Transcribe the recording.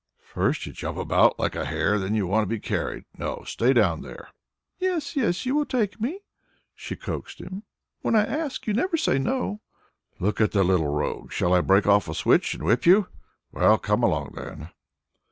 "First you jump about like a hare; then you want to be carried. No, stay down there." "Yes, yes, you will take me," she coaxed him. "When I ask, you never say no." "Look at the little rogue! Shall I break off a switch and whip you? Well, come along then!"